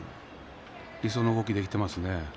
理想の動きができています。